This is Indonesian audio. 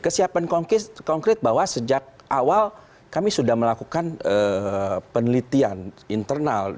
kesiapan konkret bahwa sejak awal kami sudah melakukan penelitian internal